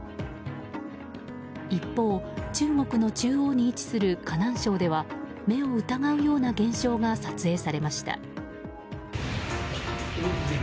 一方、中国の中央に位置する河南省では目を疑うような現象が撮影されました。